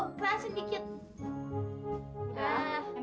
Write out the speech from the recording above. uh yaudah disini aja deh keras banget pam